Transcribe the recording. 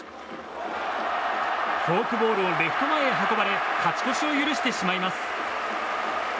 フォークボールをレフト前へ運ばれ勝ち越しを許してしまいます。